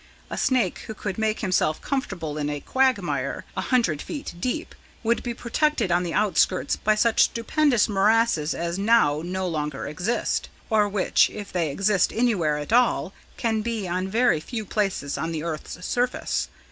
A snake who could make himself comfortable in a quagmire, a hundred feet deep, would be protected on the outskirts by such stupendous morasses as now no longer exist, or which, if they exist anywhere at all, can be on very few places on the earth's surface.